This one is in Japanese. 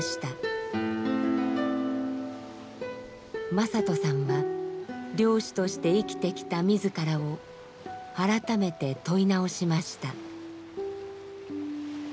正人さんは漁師として生きてきた自らを改めて問い直しました。